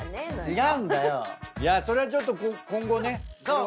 それはちょっと今後ね。